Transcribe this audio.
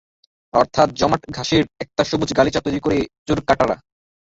অর্থাৎ জমাট ঘাসের একটা সবুজ গালিচা তৈরি করে চোরকাঁটারা।